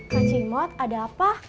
kak cimot ada apa